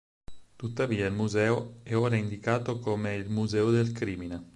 Tuttavia il museo è ora indicato come il "Museo del Crimine".